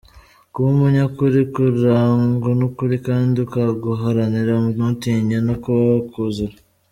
Kuba umunyakuri- Kurangwa n’ukuri kandi ukaguharanira ntutinye no kuba wakuzira.